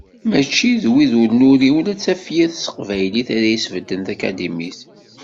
Mačči d wid ur nuri ula d tafyirt s teqbaylit ara yesbedden takadimit.